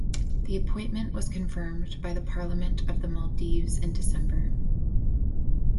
The appointment was confirmed by the Parliament of the Maldives in December.